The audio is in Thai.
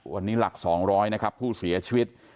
วันนี้หลัก๒๐๐นะครับผู้เสียชีวิต